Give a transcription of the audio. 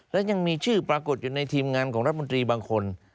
และยังมีชื่อปรากฏอยู่ในทีมงานของรัฐมนตรีบางคน